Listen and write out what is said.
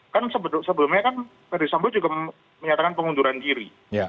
kan sebelumnya kan ferry sambo juga menyatakan pengunduran diri